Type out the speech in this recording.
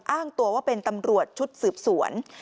อ้างตัวว่าเป็นตำรวจชุดสืบสวน